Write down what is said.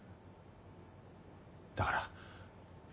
だから。